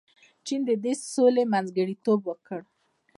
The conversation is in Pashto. چین د دې سولې منځګړیتوب وکړ.